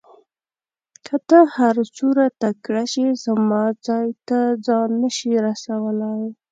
که ته هر څوره تکړه شې زما ځای ته ځان نه شې رسولای.